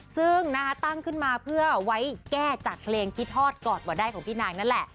ซึ่งตั้งขึ้นมาเพื่อไว้แก้จากเพลงที่ทอดกอดว่าได้ของพี่นางนั่นแหละ